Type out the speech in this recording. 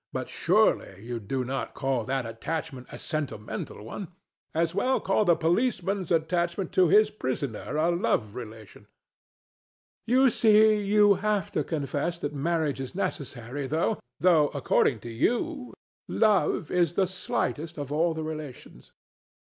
But surely you do not call that attachment a sentimental one. As well call the policeman's attachment to his prisoner a love relation. ANA. You see you have to confess that marriage is necessary, though, according to you, love is the slightest of all the relations.